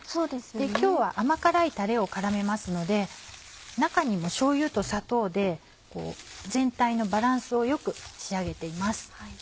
今日は甘辛いたれを絡めますので中にもしょうゆと砂糖で全体のバランスを良く仕上げています。